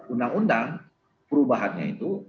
undang undang perubahannya itu